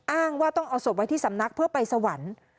อ้างว่าต้องเอาศพไว้ที่สำนักเพื่อไปสวรรค์